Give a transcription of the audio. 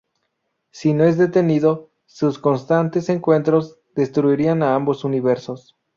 Si no es detenido, sus constantes encuentros destruirán a ambos universos.